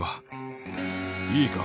いいか？